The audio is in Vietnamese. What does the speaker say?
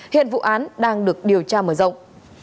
hiện vụ án đang được điều tra mở rộng